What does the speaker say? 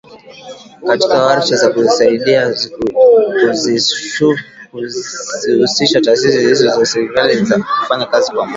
Katika warsha za kuzisaidia kuzihusisha taasisi zisizo za kiserikali kufanya kazi pamoja